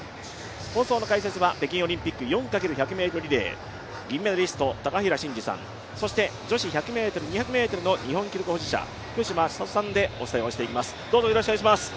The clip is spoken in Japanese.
放送の解説は北京オリンピック４×１００ｍリレー銀メダリスト高平慎士さん、女子１００ｍ・２００ｍの日本記録保持者、福島千里さんでお伝えしていきます。